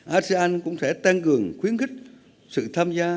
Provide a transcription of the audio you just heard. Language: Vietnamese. asean cũng sẽ tăng cường khuyến khích sự tham gia